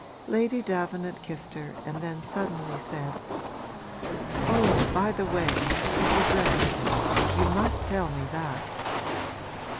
Lady Davenant kissed her and then suddenly said 'Oh, by the way, his address; you must tell me that.'